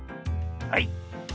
はい。